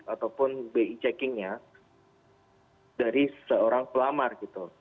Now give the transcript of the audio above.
ataupun bi checkingnya dari seorang pelamar gitu